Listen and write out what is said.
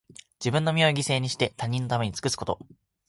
自分の身を犠牲にして、他人のために尽くすこと。